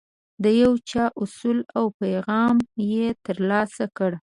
د یو چا احوال او پیغام یې ترلاسه کړ.